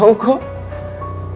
kamu mau berjuang sama opa raff